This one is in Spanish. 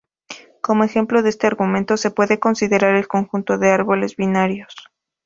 Como ejemplo de este argumento, se puede considerar el conjunto de los árboles binarios.